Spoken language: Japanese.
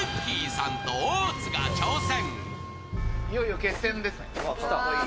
さんと大津が挑戦。